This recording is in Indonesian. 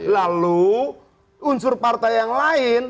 lalu unsur partai yang lain